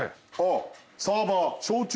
あっサーバー。